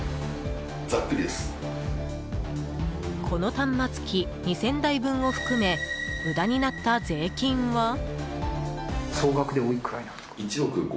この端末機２０００台分を含め無駄になった税金は。